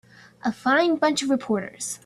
A fine bunch of reporters.